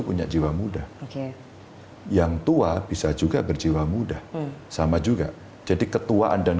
punya jiwa muda oke yang tua bisa juga berjiwa muda sama juga jadi ketuaan dan